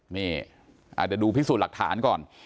นี่อาจจะดูพิสูจน์หลักฐานก่อน